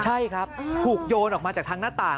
ใช่ครับถูกโยนออกมาจากทางหน้าต่าง